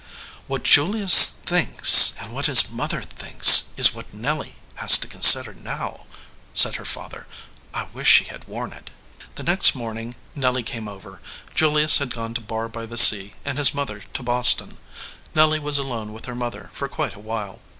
"What Julius thinks and what his mother thinks is what Nelly has to consider now," said her father. "I wish she had worn it." The next morning Nelly came over. Julius had gone to Barr by the Sea, and his mother to Boston. Nelly was alone with her mother for quite a while.